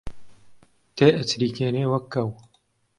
تێئەچریکێنێ وەک کەو